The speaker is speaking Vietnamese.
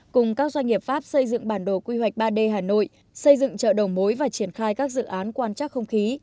cùng các doanh nghiệp pháp xây dựng bản đồ quy hoạch ba d hà nội xây dựng chợ đầu mối và triển khai các dự án quan trắc không khí